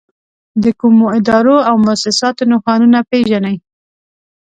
د کومو ادارو او مؤسساتو نښانونه پېژنئ؟